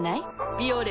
「ビオレ」